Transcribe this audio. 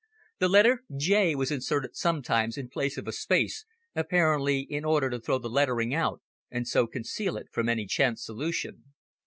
The letter "J" was inserted sometimes in place of a space, apparently in order to throw the lettering out, and so conceal it from any chance solution.